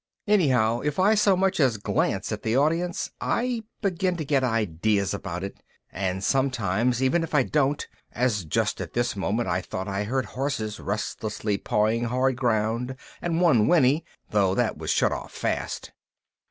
Anyhow, if I so much as glance at the audience, I begin to get ideas about it and sometimes even if I don't, as just at this moment I thought I heard horses restlessly pawing hard ground and one whinny, though that was shut off fast.